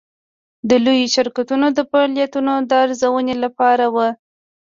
د لویو شرکتونو د فعالیتونو د ارزونې لپاره وه.